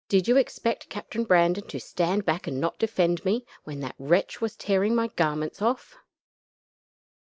Did you expect Captain Brandon to stand back and not defend me, when that wretch was tearing my garments off?"